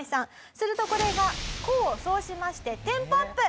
するとこれが功を奏しましてテンポアップ！